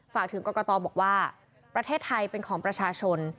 ฝากถึงกรกตบอกว่าประเทศไทยเป็นของประชาชน